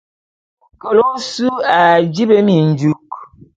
Kele ôsu a dibi minjuk.